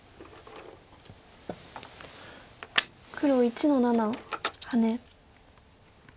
黒１の七ハネ。